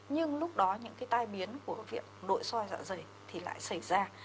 nhưng lúc đó những cái tai biến của việc nội soi dạ dày thì lại xảy ra